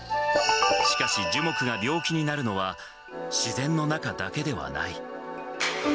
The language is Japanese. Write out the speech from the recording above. しかし、樹木が病気になるのは自然の中だけではない。